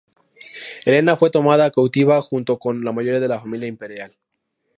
Helena fue tomada cautiva junto con la mayoría de la familia imperial.